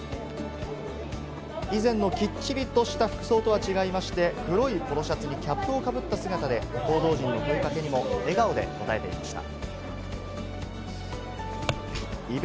以前のきっちりとした服装とは違いまして、黒いポロシャツにキャップをかぶった姿で報道陣の声掛けにも笑顔で答えていました。